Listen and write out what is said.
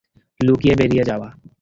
লুকিয়ে বেরিয়ে যাওয়া।